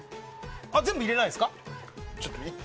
全部入れないんですか？